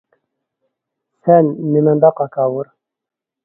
سەن نېمانداق ھاكاۋۇر!